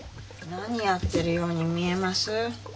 何やってるように見えます？